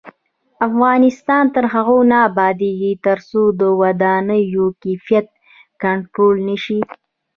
افغانستان تر هغو نه ابادیږي، ترڅو د ودانیو کیفیت کنټرول نشي.